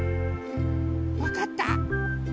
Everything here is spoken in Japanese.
わかった？